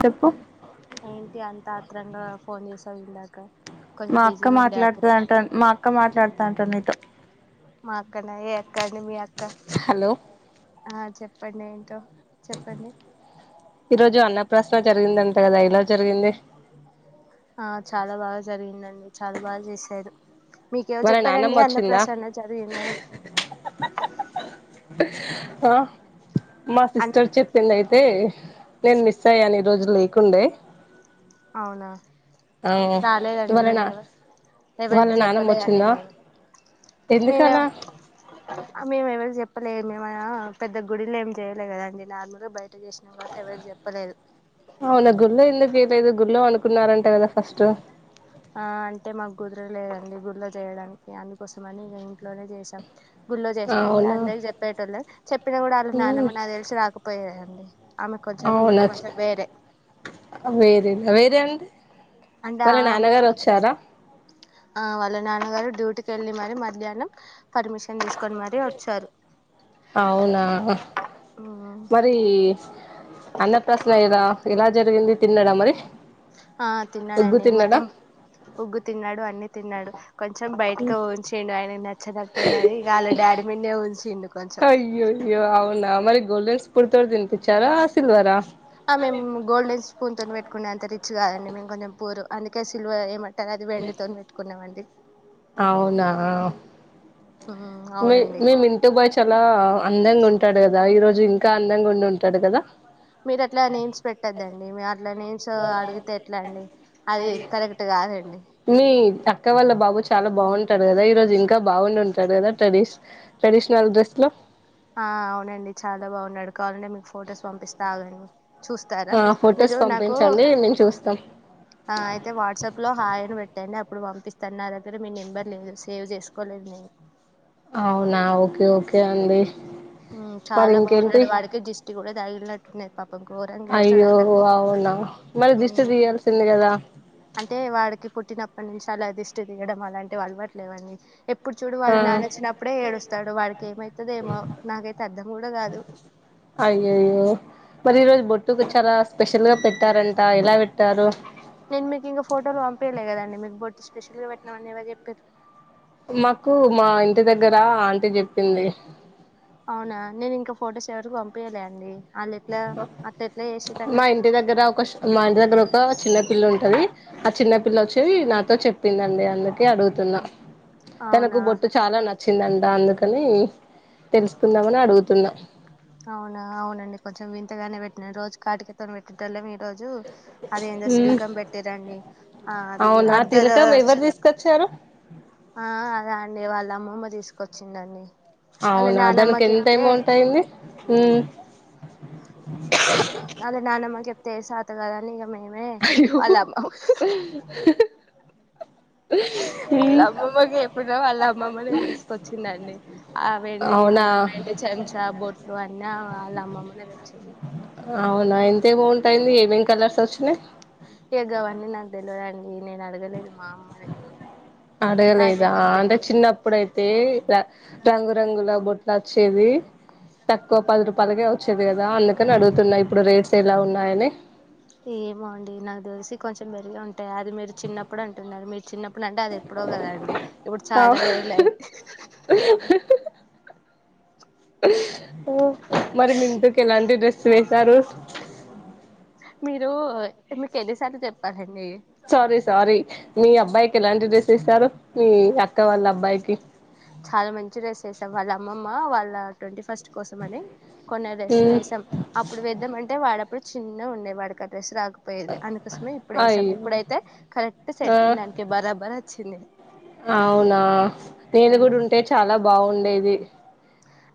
చెప్పు ఏంటి అంత ఆత్రంగా ఫోన్ చేసావ్ ఇందాక కొంచెం మా అక్క బిజీగా ఉండే మాట్లాడుత అప్పుడు దంట మా అక్క మాట్లాడుతా అంటా నీతో మా అక్కన ఏ అక్కండి మీ అక్క. హలో ఆ చెప్పండి ఏంటో చెప్పండి ఈరోజు అన్నప్రాసన జరిగిందం టకదా ఎలా జరిగింది. ఆ చాలా బాగా జరిగిందండి. చాలా బాగా చేసారు. మీకేవరు వాళ్ళ నానమ్మ చెప్పారండి వచ్చిందా అన్నప్రసాన జరిగిందని ఆ మా అన్న సిస్టర్ చెప్పిందయి తే నేను మిస్ అయ్యాను ఈరోజు లేకుండే అవునా ఆ రాలేదండి వాళ్ళ మేము నా ఎవరం. వాళ్ళ ఎవరికి నానమ్మ చెప్పలేదండి వచ్చిందా మేము మేమ ఎందుకలా మేమేవరికి చెప్ప ప్పలే మేమైనా పెద్ద గుడిలేమి చేయలే కదండి నార్మూల్గా బై అవునా గుళ్ళో ఎందుకు చేయలేదు గుళ్ళో అనుక్ కున్నారంట కదా ఫస్ట్ ఆ అంటే మా కుదర లేదండి గుళ్ళో చేయడానికి అందుకోసమని ఇగ ఇంట్లోనే చేసాం. గుళ్ళో చేస్తే అయితే అవునా అందరికి చెప్పేటోళ్ళం చెప్పినా కూడా వాళ్ళ నానమ్మ నాకు తెలిసి రాకపోయేదండి. ఆమె కొంచెం అవునచ్ కొంచెం వేరే వేరేది వేరే అంటే అంటే వాళ్ళ ఆమె నాన్నగారు వచ్చారా ఆ వాళ్ళ నాన్నగారు డ్యూటీకెళ్ళి మరి మధ్యాహ్నం పర్మిషన్ తీసుకొని మరి వచ్చారు. అవునా ఓహో అన్న ప్రాసన గదా ఎలా జరిగింది తిన్నడా మరి ఆ ఒగ్గు తిన్నాడండి తిన్నాడా మొత్తం ఉగ్గు తిన్నాడు అన్ని తిన్నాడు. కొంచెం బయటికి ఉంచిండు ఆయనకి నచ్చనట్టు ఉన్నది ఇక వాళ్ళ డాడీ మీదే ఉంచిండు కొంచెం అయ్యో అవునా మరి గోల్డెన్ స్పూన్ తోటి తినిపించారా సిల్వరా ఆ మేము గోల్డెన్ స్పూన్ తోని పెట్టుకునేే అంత రిచ్ కాదండి మేము కొంచెం పూర్ అందుకే సిల్వర్ ఏమ టది అది వెండితోని పెట్టుకున్నామండి. అవునా ఉమ్ మే అవునండి మేము ఇంటు బ్యాచ్ చాలా అందంగా ఉంటాడు కదా ఈ రోజు ఇంకా అందంగా ఉండి ఉంటాడు కదా మీరు అట్లా నేమ్స్ పెట్టద్దండి మీరు అట్లా నేమ్స్ అడిగితే ఎట్లా అండి అది కరెక్ట్ కాదండి మీ అక్క వాళ్ళ బాబు వచ్చి చాలా బాగుంటాడు కదా ఈ రోజు ఇంకా బాగుండి ఉంటాడు కదా ట్రెడి ట్రెడిషనల్ డ్రెస్ లో ఆ అవునండి చాలా బాగున్నాడు కావాలంటే మీకు ఫొటోస్ పంపిస్తా ఆగండి చూస్తారా ఆ ఫొటోస్ మీరు నాకు పంపించండి మేము చూస్తాం ఆ అయితే వాట్సాప్ లో హయ్ ఆని పెట్టండి అప్పుడు పంపి స్తాను నా దగ్గర మీ నెంబర్ లేదు సేవ్ చేసుకోలేదు నేను అవునా ఓకే ఓకే అండి హు మరి చాలా ఇంకేంటి బాగున్నాడు వాడికి జిష్టి కూడా తగిలినట్టు ఉన్నది పాప అయ్యో అవునా మరి దిష్టి ఉమ్ తీయాల్సింది కదా ఏప్పటి నుంచో అలా దిష్టి తీయడం అలాంటివి అలవాటులేవు అండి ఏ ఎప్పుడు చూడు ఆ వాళ్ళ నాన్న వచ్చినప్పుడే ఏడుస్తాడు వాడికి ఏమైతదో ఏమో నాకైతే అర్థం కూడా కాదు అయ్యయ్యో మరి ఈ రోజు బొట్టుకు చాలా స్పెషల్ గా పెట్టారంట ఎలా పెట్టారు నేను మీకు ఇంకా ఫోటోలు పంపయలే కదండి మీకు బొట్టు స్పెషల్గా పెట్టినామనీ ఏవరు చెప్పిరు మాకు మా ఇంటి దగ్గరా ఆంటీ చెప్పింది అవునా నేను ఇంకా ఫొటోస్ ఎవరికి పంపియలే అండి వాళ్ళు ఎట్లా అట్లా ఎట్లా మా చేసిరండి ఇంటి దగ్గర ఒక మా ఇంటి దగ్గర ఒక చిన్న పిల్ల ఉంటది ఆ చిన్న పిల్ల వచ్చి నాతో చెప్పిందండి అందుకే అడుగుతున్నా తనకు అవునా బొట్టు చాలా నచ్చిందంట అందుకని తెలుసుకుందామని అడుగుతున్నా అవునా అవునండి కొంచెం వింతగానే పెట్టిన రోజు కాటికతో పెట్టేటోల్లం రోజు అదేందో మ్మ్ సిల్కమ్ పెట్టేరండి ఆ అది అర్ధ కచ్చారు ఆ అదా అండి వాళ్ళ అమ్మమ్మ తీసుకొచ్చిందండి వాళ్ళ అవునా నానమ్మ దానికి ఎంత చెప్తే అమౌంట్ అయింది అదే నానమ్మ చెప్తే చాతకాదు అని అయ్యో వాళ్ళ అమ్మమ్మ వాళ్ళ అమ్మమ్మకి చెప్పిన వాళ్ళ అమ్మమ్మ నే తీసుకొచ్చిందండి ఆ వెండి అవునా గిన్న వెంటి చెంచా బొట్లు అన్న వాళ్ళ అమ్మమ్మనే తెచ్చింది అవునా ఇంతే [unintelligible] ఏమేమి కలర్స్ వచ్చినాయి ఇగ అవన్నీ నాకు తెలివదండి నేను అడగలేదు మా అమ్మనీ అడగలేదా అంటే చిన్నప్పుడైతే రంగురంగుల బొట్లు వచ్చేది తక్కువ పది రూపాయలకే వచ్చేది కదా అందుకని అడుగుతున్నా ఇప్పుడు రేట్స్ ఎలా ఉన్నాయని ఏమో అండి నాకు తెలిసి కొంచెం మెరుగు ఉంటాయి అది మీరు చిన్నప్పుడు అంటున్నారు మీరు చిన్న ఇప్పుడుంటే అది ఎప్పుడో కదండి ఇప్పుడు చాలా అవ్ రోజులు అయింది మరి మింటు ఎలాంటి డ్రెస్ వేసి మీరు మీకు ఎన్నిసార్లు చెప్పాలాండీ సారీ సారీ మీ అబ్బాయికి ఎలాంటి డ్రెస్ ఇస్తారు మీ అక్క వాళ్ళ అబ్బాయికి చాలా మంచి డ్రెస్ వేశావ్ వాళ్ళ అమ్మమ్మ వాళ్ళ ట్వంటీ ఫస్ట్ కోసం అని కొన్న డ్రెస్ ఉమ్ వేసాం అప్పుడు వేద్దామంటే వాడ అప్పుడు చిన్న ఉండే వాడి కి అ డ్రెస్ రా పోయేది అందుకోసమే ఇప్పుడు వేసాం అయ్యో ఇప్పుడైతే కరెక్ట్ ఆ సెట్ అయిన దానికి బరాబర్ వచ్చింది అవునా నేను కూడా ఉంటే చాలా బాగుండేది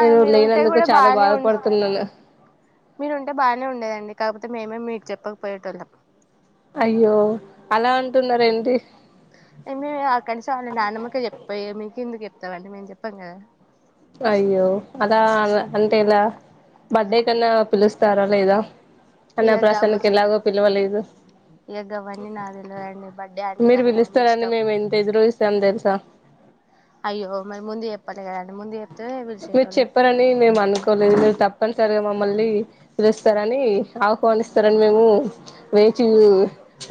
ఆ నేను మీరు ఉంటే లేనందుకు చాలా బాధపడుతున్నాను మీరుంటే బాగానే ఉండేదండి కాకపోతే మేమే మీకు చెప్పక పోయేటోల్లం అయ్యో అలా అంటున్నారు ఏంటి మేము ఆ కనీసం వాళ్ళ నాన్నమ్మకి చెప్పాం మీకు ఎందుకు చెప్తాం అండి మేము చెప్పాం కదా అయ్యో అలా అంటే ఇలా బర్త్డే కన్నా పిలుస్తారా లేదా అన్నప్రాసన్నకి ఎలాగో పిలవలేదు ఇగ గావన్నీ నా తెలవద్దండి బర్త్డే ఆంటే మీరు ఆళ్ల మమ్మీ పిలుస్తారని ఇష్టం మేము ఎంత ఎదురు చూసాం తెలుసా అయ్యో మరి ముందే చెప్పాలి కదండి ముందే చెప్ మీరు చెప్పారని మేము అనుకోలేదు మీరు తప్పని సరి మమ్మల్ని పీలుస్తారని ఆహ్వానిస్తారని మేము వేచి యు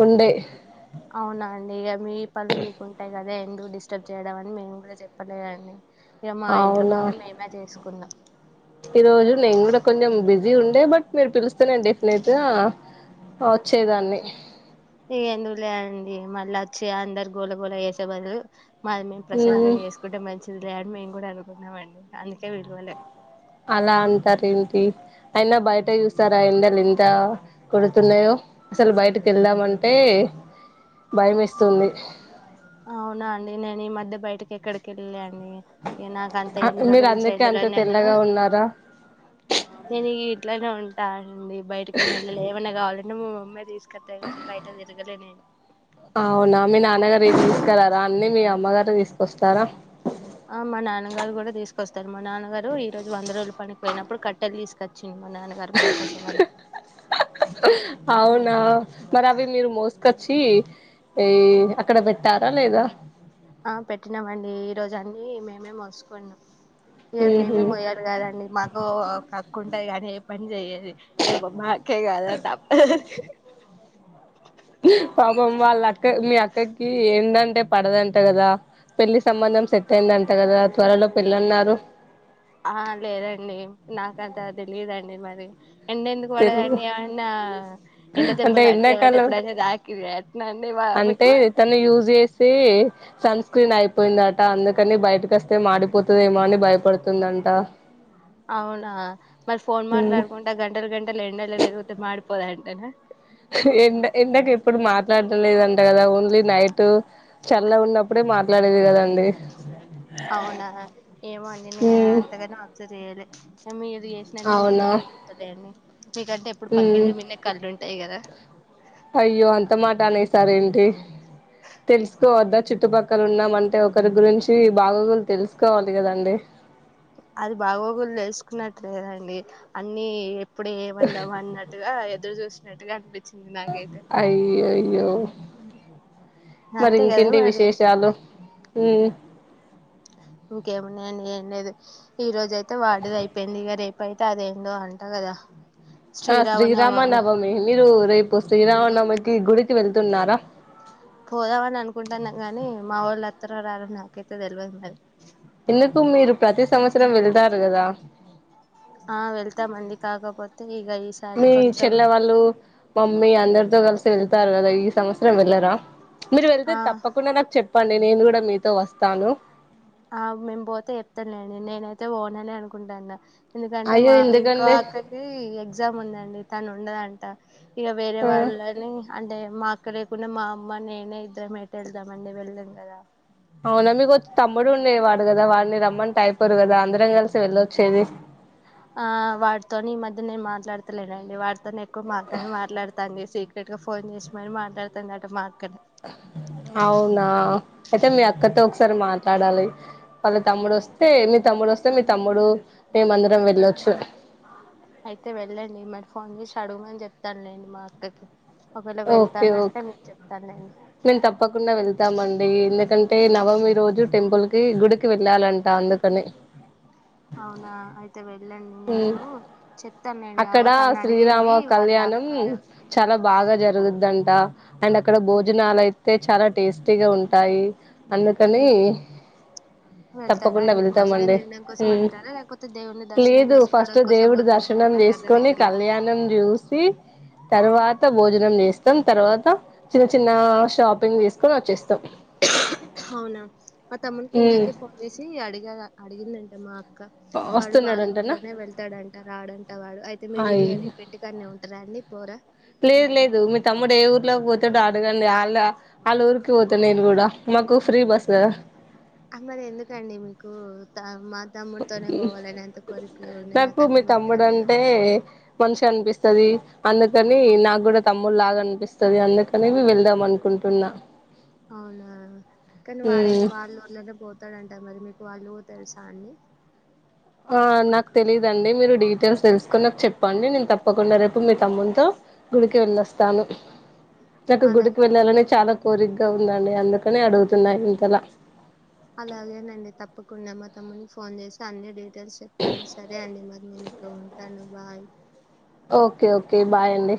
ఉండే అవునా అండి ఇగా మీ పనులు మీకుంటాయి కదా డిస్టర్బ్ చేయడం అని మేము కూడా చెప్పలేదండి ఇక మా ఇంట్లో అవునా మీద మేమే చేసుకున్నాం ఈరోజు నేను కూడా కొంచెం బిజీ ఉండే బట్ మీరు పిలుస్తే నేను డెఫినెట్ గా వచ్చేదాన్ని ఇగా ఎందుకు లేండి మళ్ళ వచ్చి అందరు గోళగోళ వేసే బదులు మాది మేము మ్మ్ ప్రశాంతంగా చేసుకుంటే మంచి మంచిదిలే అని మేము కూడా అనుకున్నామండి అందుకే పీలువలే అలా అంటారు ఏంటి అయినా బయట చూస్తారా ఎండలు ఎంత కొడుతున్నాయో అసలు బయటకి వెళ్దామంటే భయం వేస్తుంది అవునా అండి నేను ఈ మధ్య బయటకి ఎక్కడికి వెళ్లలే అండి ఇక నాకు అంత ఎండల మీరు గురించి ఏం అందకే అంత తెలవదు నేను తెల్లగా ఉన్నారా నేను ఇట్లనే ఉం అండి బయటికి వెళ్ళలే ఏమన్నా కావాలంటే మా మమ్మీ తీసుకొస్తది కాబట్టి బయట తిరగలే నేను అవునా మీ నాన్నగారు ఏమి తీసుకురారా అన్ని మీ అమ్మగారు తీసుకొస్తారా ఆ మా నాన్నగారు కూడా తీసుకొస్తారు మా నాన్నగారు ఈ రోజు వంద రోజులు పనికిపోయినప్పుడు కట్టెలు తీసుకొచ్చి అహహ అవునా మరి అవి మీరు మోసుకొ చ్చి ఈ అక్కడ పెట్టారా లేదా ఆ పెట్టినామండి ఈ రోజు అన్ని మేమే మోసుకోన్నాం ఇక మ్మ్ మేమే హ్మ్ మోయాలి కదా అండి మాకు ఓ అక్కా ఉంటది కానీ ఏ పని చెయ్యాదు ఏ బా మ్మా అక్కా ఆ పాపమ్ వాళ్ళ అక్క మీ అక్కకి ఏంటంటే పడదంట కదా పెళ్లి సంబంధం సెట్ అయిందింట కదా త్వరలో పెళ్ళన్నారు ఆ లేదండి నాకంత తెలిదండి మరి ఎండ ఎందుకు పడదండి ఏమన్నా ఎండ అంటే దెబ్బలు అండి ఏమన్నా ఎండాకాలం ఎప్పుడైతే తాకి ఎట్నండి అంటే తను యూజ్ చేసి సన్ స్క్రీన్ అయిపోయిందట అందుకని బయటకి వస్తే మాడిపోతుందేమో అని భయపడుతుందంట అవునా మరీ ఫోన్ మాట్లాడుకుంటా గంటలు గంటలు ఎండలలో తిరుగుతే మాడిపోదంటనా ఎండ ఎండకి ఎప్పుడు మాట్లాడం లేదంట కదా ఓన్లీ నైట్ చల్లగున్నప్పుడే మాట్లాడేది కదండి అవునా ఏమో అండి నేను అంతగానం అబ్జర్వ్ చేయలే మీ చేసినే నేను ఎందుకు చూస్తాడాన్ని హ ఉంటాయి కదా అయ్యో అంత మాట అనేసారు ఏంటి తెలుసుకోవద్దా చుట్టుపక్క అక్కలు ఉన్నామంటే ఒకరి గురించి బాగోగులు తెలుసుకోవాలి కదండి అది బాగోగులు తెలుసుకున్నట్లేదండీ అన్ని ఇప్పుడు ఏమందాం అన్నట్టుగా ఎదురు చూసినట్టుగా అనిపి అయ్యయ్యో మరి అంతే కదా ఇంకేంటి మరి విశేషాలు ఇంకేమున్నాయండి ఏం లేదు ఈ రోజ అయితే వాడుది అయిపోయింది ఇగ రేపు పైతా అదేందో అంటా గదా ఆ శ్రీరామనవమి మీరు రేపు ఉమ్, శ్రీరామనవమికి గుడికి వెళ్తున్నారా పోదామని అనుకుంటున్నాం గాని మా వాళ్ళు అత్తరా రారా నాకైతే తెలియదు మరి ఎందుకు మీరు ప్రతి సంవత్సరం వెళ్తారు కదా? ఆ వెళ్తామండి కాకపోతే ఇక ఈసారి మీ కొంచెం చెల్లె వాళ్ళు మమ్మీ అందరితో కలిసి వెళ్తారు కదా ఈ సంవత్సరం వెళ్ళరా? మీరు వెళ్తే ఆ తప్పకుండా నాకు చెప్పండి నేను కూడా మీతో వస్తాను. ఆ మేము పోతే చెప్తాంలేండి నేనైతే పోనని అనుకుంటాండ. ఎందుకంటే అయ్యో మా ఇంకో ఎందుకండి అక్కకి ఎగ్జామ్ ఉందండి తను ఉండదంట. ఇగ వేరే ఆ వాళ్ళని అంటే మా క్కడ లేకుండా మా అమ్మ నేనే ఇద్దరం ఎటు వెళ్తాం అండి వెళ్ళేం కదా? అవునా మీకు ఒక తమ్ముడు ఉండే వాడు గదా వాడిని రమ్మంటే అయిపోరు కదా అందరం కలిసి వెళ్ళొచ్చేది. ఆ వాడ్తోని ఈ మధ్య నేను మాట్లాడ్తలేనండి వాడ్తోనే ఎక్కువ మాక్కనే మాట్లాడుతాంది సె ట్గా ఫోన్ చేసి మరి మాట్లాడతాం గాక మా అక్కనే అవునా అయితే మీ అక్కతో ఒకసారి మా మాట్లాడాలి వాళ్ళ తమ్ముడు వస్తే మీ తమ్ముడు వస్తే మీ తమ్ముడు మేమ అందరం వెళ్ళొచ్చు. అయితే వెళ్ళండి మరి ఫోన్ చేసి అడుగుమని చెప్తాన్లేండి మా అక్కకి ఒకవేళ ఓకే వెళ్తాను అంటే ఓకే మీకు చెప్తా నేను మేము తప్పకుండా వెళ్తామండి ఎందుకంటే నవమి రోజు టెంపుల్ కి గుడికి వెళ్ళాలంట అందుకని అవునా అయి అయితే వెళ్ళండి ఉమ్, నేను చెప్తాన్లేండి అక్కడ అవ తను శ్రీరామ అడిగింది వాళ్ళ కళ్యాణం అక్కగా చాలా బాగా జరుగుద్దంట అండ్ అక్కడ భోజనాలు అయితే చాలా టేస్టీగా ఉంటాయి అం అందుకని వెళ్తారా తప్పకుండా అండి భోజనం వెళ్తామండి తినడం కోసం ఉమ్ వెళ్తారా లేకపోతే దేవుణ్ని దర్శ లేదు ఫస్ట్ దేవుడు దర్శనం చేసుకొని అర్థమైతలేదు కళ్యాణం జూసి తర్వాత భోజనం చేస్తాం తర్వాత చిన్న చిన్న షాపింగ్ చేస్కొని వచ్చేస్తాం. అవునా మా తమ్మున్కి ఉమ్ ఇందాకే ఫోన్ చేసి అడిగా అడిగిందంట మా వాడు వాళ్ళ వస్తున్నాడంటనా ఊర్లోనే వెళ్తాడంట రాడంట వాడు అయితే మీ ఈ అయి హరి ఇంటికాడ్నే ఉంటార అం లే పోరా? లేదు లేదు మీ తమ్ముడు ఏ ఊర్లోక్ పో అడగండి వాళ్ళ వాళ్ళఊరికి పోతాను నేను కూడా మాకు ఫ్రీ బస్ గదా. అందరు ఎందుకండి మీకు తా మా తమ్ముడితోనే పోవాలని అంత కోరికగా ఉంది నాకు అర్థమయితలేదు. మనిషి అనిపిస్తది అందుకని నాకు కూడా తమ్ముడు లాగా అనిపిస్తది అందుకని మేము వెళ్దాం అనుకుం తిన్నా. అవునా కానీ ఉమ్ వాడైతే వాళ్ళ ఊర్లొనే పోతాడంట మరి మీ వాళ్ళు ఊర్ తెల్సా అండి? ఆ నాకు తెలీయదండి మీరు డీటెయిల్స్ తెలుసుకొని నాకు చెప్పండి నేను తప్పకుండా రేపు మీ తమ్మునితో గుడికి వెళ్ళొస్తాను. [inaudible] నాకు అలాగే గుడికి వెళ్ళాలని చాలా కోరిగ్గా ఉందండి అందుకనే అడుగుతున్నా ఇంతలా అలాగేనండి తప్పకుండా మా తమ్మున్కి ఫోన్ చేసి అన్ని డీట్ తెలిసి చెప్తాను సరే అండి మరి నేను ఇక ఉంటాను బాయ్ ఓకే ఓకే బాయ్ అండి.